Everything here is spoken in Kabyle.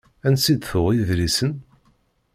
Ansi d-tuɣ idlisen?